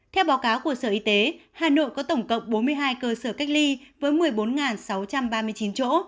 theo báo cáo của sở y tế hà nội có tổng cộng bốn mươi hai cơ sở cách ly với một mươi bốn sáu trăm ba mươi chín chỗ